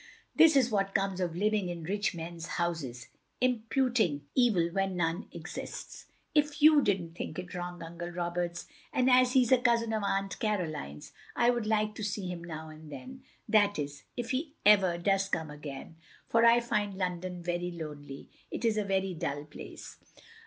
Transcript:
This is what comes of living in rich men's houses; imputing evil where none exists. "" If you did n't think it wrong, Uncle Roberts, and as he 's a cousin of Aunt Caroline's, I would like to see him now and then, — ^that is, if he ever does come again — ^for I find London very lonely. It is a very dull place.